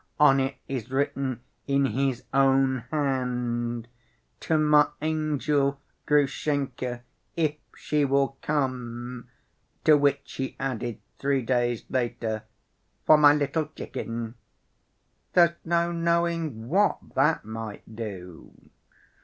On it is written in his own hand, 'To my angel Grushenka, if she will come,' to which he added three days later, 'for my little chicken.' There's no knowing what that might do."